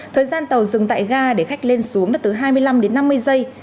thời gian tàu dừng tại ga để khách lên xuống là từ hai mươi năm đến năm mươi giây